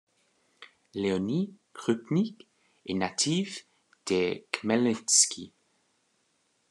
Leonid Krupnik est natif de Khmelnytsky.